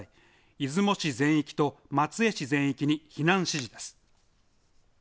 出雲市全域と松江市全域に避難指示です。